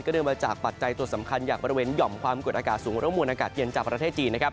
เนื่องมาจากปัจจัยตัวสำคัญจากบริเวณหย่อมความกดอากาศสูงและมวลอากาศเย็นจากประเทศจีนนะครับ